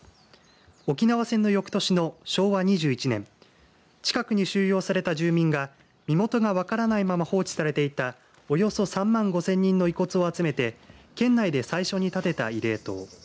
沖縄戦の翌年の昭和２１年近くに収容された住民が身元が分からないまま放置されていたおよそ３万５０００人の遺骨を集めて県内で最初に建てた慰霊塔。